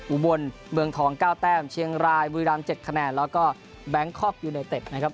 อุบลเมืองทอง๙แต้มเชียงรายบุรีราม๗คะแนนแล้วก็แบงคอกยูไนเต็ดนะครับ